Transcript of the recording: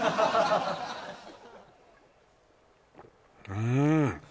うん！